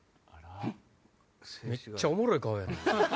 めっちゃおもろい顔やな。